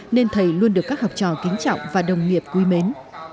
nên thầy luôn được các học trò kính trọng và đồng nghiệp quý mến